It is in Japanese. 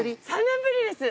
３年ぶりです。